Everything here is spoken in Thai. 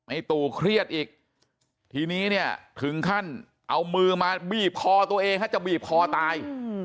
ตู่เครียดอีกทีนี้เนี่ยถึงขั้นเอามือมาบีบคอตัวเองจะบีบคอตาย